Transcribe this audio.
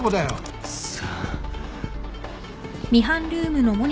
くそ。